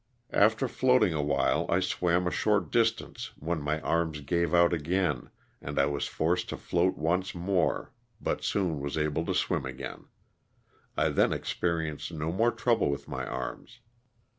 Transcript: After floating awhile I swam a short distance when my arms gave out again, and I was forced to float once more but soon was able to swim again ; I then experi enced no more trouble with my arms.